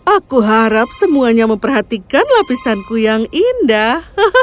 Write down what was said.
aku harap semuanya memperhatikan lapisanku yang indah